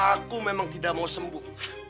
aku memang tidak mau sembuh